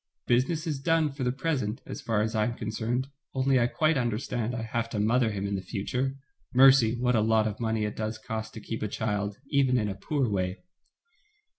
"Business is done for the present, as far as I am concerned, only I quite understand I have to mother him in the future — mercy, what a lot of money it does cost to keep a child, even in a poor way."